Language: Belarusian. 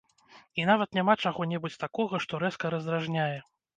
І нават няма чаго-небудзь такога, што рэзка раздражняе!